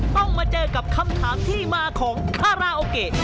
ต้องมาเจอกับคำถามที่มาของคาราโอเกะ